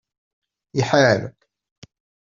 Iḥar.